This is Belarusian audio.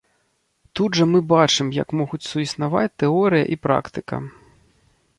Тут жа мы бачым, як могуць суіснаваць тэорыя і практыка.